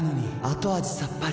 後味さっぱり．．．